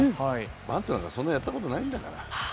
バントなんかそんなやったことないんだから。